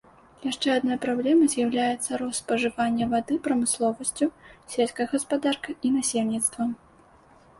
Яшчэ адной праблемай з'яўляецца рост спажывання вады прамысловасцю, сельскай гаспадаркай і насельніцтвам.